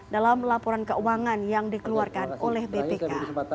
dalam laporan keuangan yang dikeluarkan oleh bpk